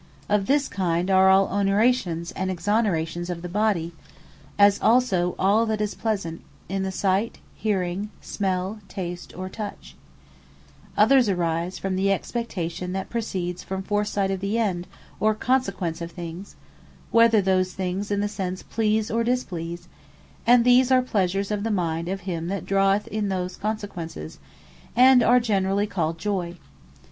Of this kind are all Onerations and Exonerations of the body; as also all that is pleasant, in the Sight, Hearing, Smell, Tast, Or Touch; Others arise from the Expectation, that proceeds from foresight of the End, or Consequence of things; whether those things in the Sense Please or Displease: And these are Pleasures Of The Mind of him that draweth those consequences; and are generally called JOY.